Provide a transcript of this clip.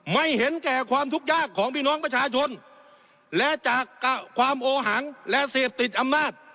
ไม่เห็นแก่ความทุกข์ยากของพี่น้องประชาชนและจากความโอหังและเสพติดอำนาจ